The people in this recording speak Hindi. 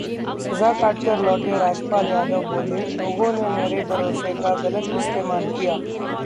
सजा काटकर लौटे राजपाल यादव, बोले- लोगों ने मेरे भरोसे का गलत इस्तेमाल किया